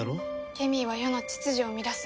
ケミーは世の秩序を乱す。